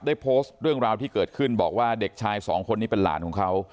ได้โพสต์เรื่องราวที่เกิดขึ้นบอกว่าเด็กชายสองคนนี้เป็นหลานของเขา